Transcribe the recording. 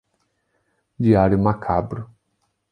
Diário macabro